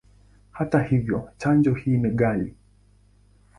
Hata hivyo, chanjo hii ni ghali.